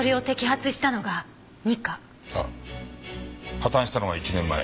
破綻したのが１年前。